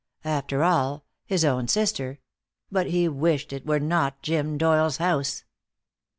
After all, his own sister but he wished it were not Jim Doyle's house.